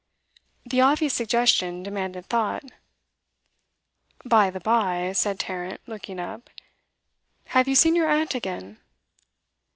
The obvious suggestion demanded thought. 'By the bye,' said Tarrant, looking up, 'have you seen your aunt again?